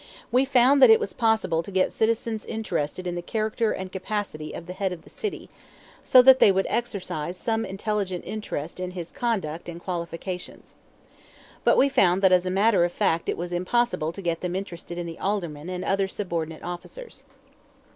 We found that it was possible to get citizens interested in the character and capacity of the head of the city, so that they would exercise some intelligent interest in his conduct and qualifications. But we found that as a matter of fact it was impossible to get them interested in the Aldermen and other subordinate officers.